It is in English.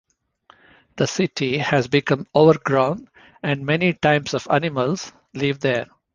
The city has become overgrown and many types of animals live there.